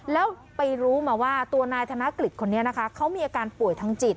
แล้วไปรู้มาว่าตัวนายธนกฤษคนนี้นะคะเขามีอาการป่วยทางจิต